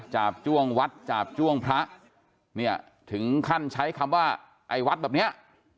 บจ้วงวัดจาบจ้วงพระเนี่ยถึงขั้นใช้คำว่าไอ้วัดแบบเนี้ย